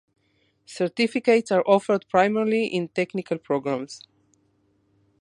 Certificates are offered primarily in technical programs.